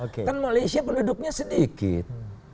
kan malaysia penduduknya sedikit